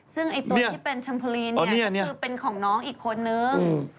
ซึ่งตัวที่เป็นแชมพลีนเนี่ยก็คือเป็นของน้องอีกคนนึง